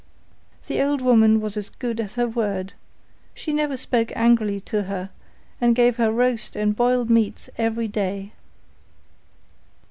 The old woman was as good as her word: she never spoke angrily to her, and gave her roast and boiled meats every day.